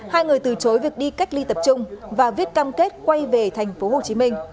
hai người từ chối việc đi cách ly tập trung và viết cam kết quay về tp hcm